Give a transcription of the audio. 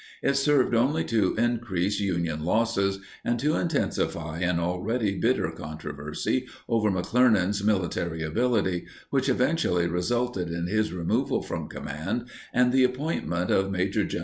It served only to increase Union losses and to intensify an already bitter controversy over McClernand's military ability, which eventually resulted in his removal from command and the appointment of Maj. Gen.